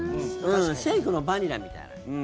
シェイクのバニラみたいな。